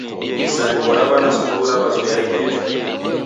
Misarigho ra w'ana sukulu raw'ezoya ikesho.